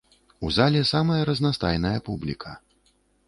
У зале самая разнастайная публіка.